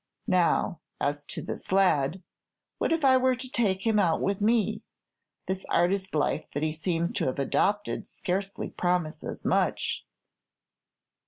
Now, as to this lad, what if I were to take him out with me? This artist life that he seems to have adopted scarcely promises much."